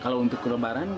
kalau untuk lebaran